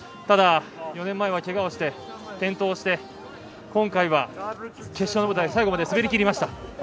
ただ、４年前はけがをして転倒をして今回は、決勝の舞台最後まで滑りきりました。